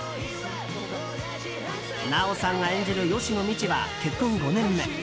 奈緒さんが演じる吉野みちは結婚５年目。